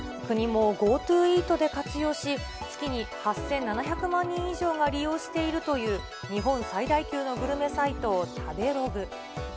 国もＧｏＴｏＥａｔで活用し、月に８７００万人以上が利用しているという、日本最大級のグルメサイト、食べログ。